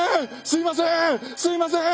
すいません！